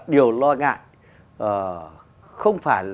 điều lo ngại